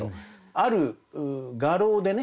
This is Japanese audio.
ある画廊でね